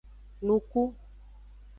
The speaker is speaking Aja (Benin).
Nuku.